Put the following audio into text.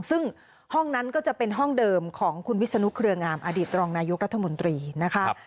ซึ่งห้องนั้นก็จะเป็นห้องเดิมของคุณวิศนุเครืองามอดีตรองนายกรัฐมนตรีนะคะ